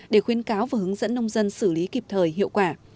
để khuyến cáo và hướng dẫn nông dân xử lý kịp thời hiệu quả